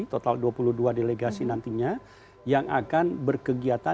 total dua puluh dua delegasi nantinya yang akan berkegiatan